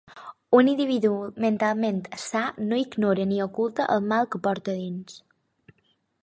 Un individu mentalment sa no ignora ni oculta el mal que porta dins.